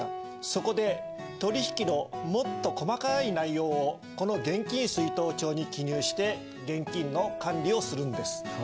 そこで取引のもっと細かい内容をこの現金出納帳に記入して現金の管理をするんです。